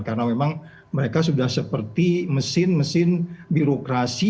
karena memang mereka sudah seperti mesin mesin birokrasi